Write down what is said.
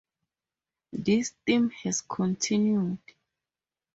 This theme has continued.